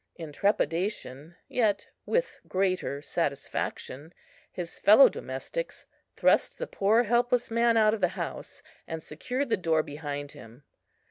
In trepidation, yet with greater satisfaction, his fellow domestics thrust the poor helpless man out of the house, and secured the door behind him.